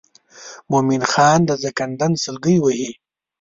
مومن خان د زکندن سګلې وهي.